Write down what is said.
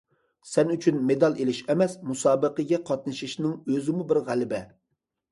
سەن ئۈچۈن مېدال ئېلىش ئەمەس، مۇسابىقىگە قاتنىشىشنىڭ ئۆزىمۇ بىر غەلىبە.